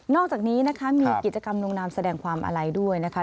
อกจากนี้นะคะมีกิจกรรมลงนามแสดงความอาลัยด้วยนะคะ